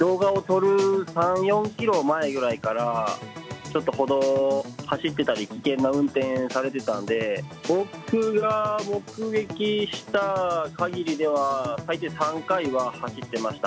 動画を撮る３、４キロ前くらいからちょっと歩道を走っていたり、危険な運転されてたんで、僕が目撃したかぎりでは、最低３回は走ってました。